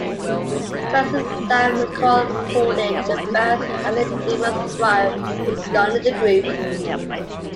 Bassist Sam McCall recorded the band's early demos prior to joining the group.